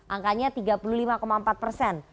angkanya tiga puluh lima empat persen